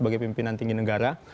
dalam tinggi negara